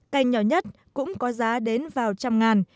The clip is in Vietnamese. cành nhỏ nhất cũng có giá đến vào trăm ngàn